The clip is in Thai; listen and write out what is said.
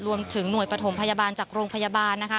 รวมถึงหน่วยปฐมพยาบาลจากโรงพยาบาลนะคะ